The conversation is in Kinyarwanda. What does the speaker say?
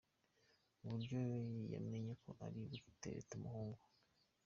Uburyo yamenye ko ari gutereta umuhungu.